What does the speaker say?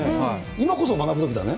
今こそ学ぶときだね。